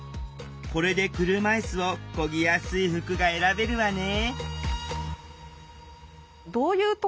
これで車いすをこぎやすい服が選べるわね